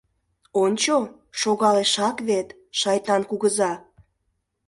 Ончо: шогалешак вет, шайтан кугыза.